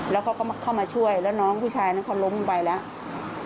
แล้วเขาก็เข้ามาช่วยแล้วน้องผู้ชายนั้นเขาล้มลงไปแล้ว